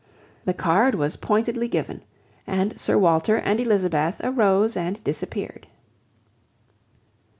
The card was pointedly given, and Sir Walter and Elizabeth arose and disappeared.